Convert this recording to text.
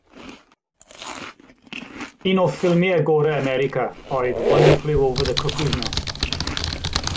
Un o ffilmiau gorau America oedd One Flew Over the Cuckoo's Nest.